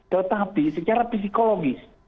tetapi secara psikologis